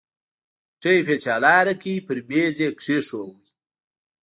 ټېپ يې چالان کړ پر ميز يې کښېښود.